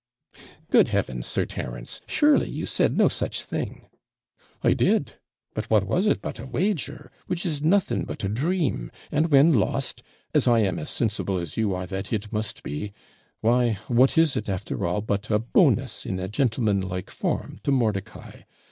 "' 'Good heavens, Sir Terence! surely you said no such thing?' 'I did but what was it but a wager? which is nothing but a dream; and, when lost, as I am as sinsible as you are that it must be, why, what is it, after all, but a bonus, in a gentleman like form, to Mordicai?